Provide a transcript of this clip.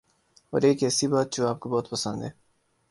اور ایک ایسی بات جو آپ کو بہت پسند ہے